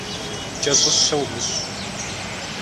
Кӏэщӏыщэ умыщӏ.